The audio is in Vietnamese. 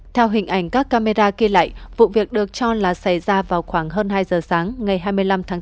theo hình ảnh các camera ghi lại vụ việc được cho là xảy ra vào khoảng hơn hai giờ sáng ngày hai mươi năm tháng bốn